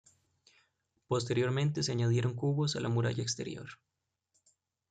Posteriormente se añadieron cubos a la muralla exterior.